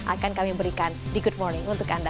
akan kami berikan di good morning untuk anda